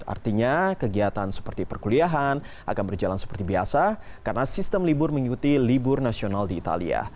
artinya kegiatan seperti perkuliahan akan berjalan seperti biasa karena sistem libur mengikuti libur nasional di italia